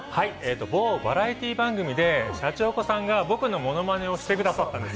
某バラエティー番組でシャチホコさんが僕のものまねをしてくださったんです。